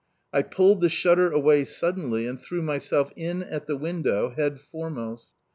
I pulled the shutter away suddenly and threw myself in at the window, head foremost.